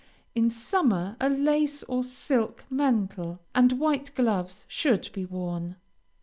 In summer, a lace or silk mantle and white gloves should be worn.